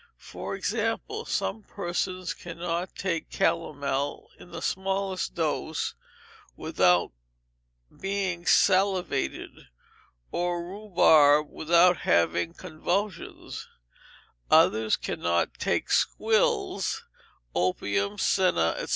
For example, some persons cannot take calomel in the smallest dose without being salivated, or rhubarb without having convulsions; others cannot take squills, opium, senna, &c.